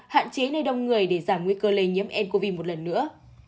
hạn chế nơi đông người để giảm nguy cơ lây nhiễm ncov một lần nữa